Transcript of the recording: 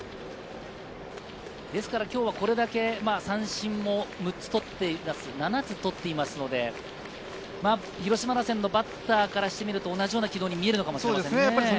今日はこれだけ三振も６つ取っています、７つ取っていますので、広島打線からすると同じような軌道に見えるのかもしれませんね。